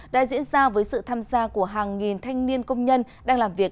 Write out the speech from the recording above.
đã diễn ra với sự tham gia của hàng nghìn thanh niên công nhân đang làm việc